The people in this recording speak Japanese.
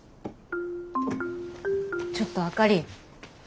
ちょっとあかり。